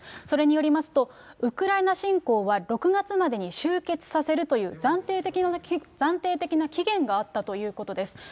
それによりますと、ウクライナ侵攻は６月までに終結させるという暫定的な期限があったということです。